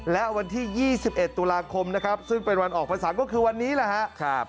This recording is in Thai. และวันที่๒๑ตุลาคมนะครับซึ่งเป็นวันออกภาษาก็คือวันนี้แหละครับ